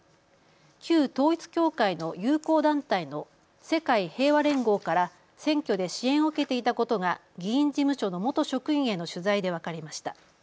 旧統一教会の友好団体の世界平和連合から選挙で支援を受けていたことが議員事務所の元職員への取材で分かりました。